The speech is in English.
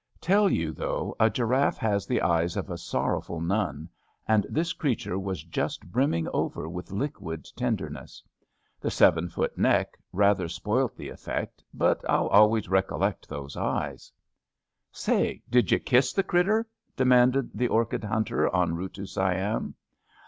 Tell yon, though, a giraffe has the eyes of a sor rowful nun, and this creature was just brimming over with liquid tenderness. The seven foot neck rather spoilt the effect, but I^U always recol lect those eyes/' Say, did you kiss the critter? *' demanded tha orchid hunter en route to Siam.